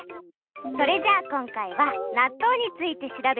それじゃあこんかいはなっとうについてしらべてくれる？